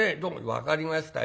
「分かりましたよ。